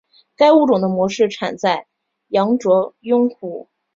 该物种的模式产地在羊卓雍湖。